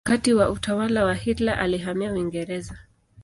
Wakati wa utawala wa Hitler alihamia Uingereza.